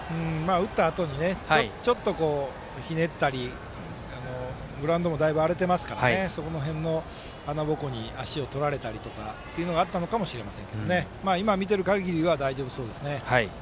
打ったあとにちょっと、ひねったりグラウンドもだいぶ荒れてますからその辺の穴ぼこに足をとられたというのがあったかもしれませんが今、見てるかぎりは大丈夫そうですね。